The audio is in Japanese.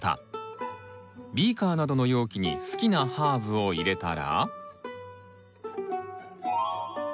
ビーカーなどの容器に好きなハーブを入れたら。